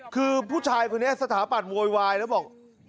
คือผู้ชายคนนี้สถาบันโวยวายแล้วบอก